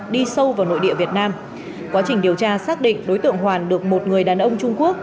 đi sâu vào nội địa việt nam quá trình điều tra xác định đối tượng hoàn được một người đàn ông trung quốc